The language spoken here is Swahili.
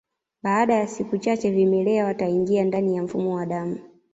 Baada ya siku chache vimelea wataingia ndani ya mfumo wa damu